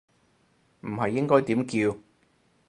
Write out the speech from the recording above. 唔係應該點叫